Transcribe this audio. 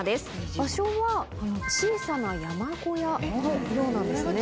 場所は小さな山小屋のようなんですね。